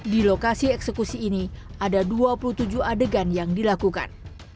di lokasi eksekusi ini ada dua puluh tujuh adegan yang dilakukan